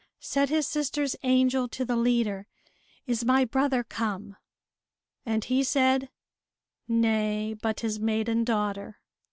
Said his sister's angel to the leader: "Is my brother come?" And he said, "Nay, but his maiden daughter."